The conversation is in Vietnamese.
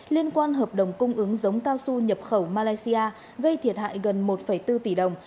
liên quan hợp đồng cung ứng giống cao su nhập khẩu malaysia gây thiệt hại gần một bốn tỷ đồng